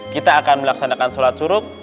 kita akan melaksanakan sholat surup